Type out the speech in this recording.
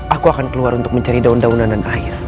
aku akan keluar untuk mencari daun daunan dan air